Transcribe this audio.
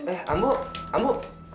eh ambu ambu